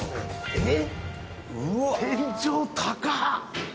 えっ？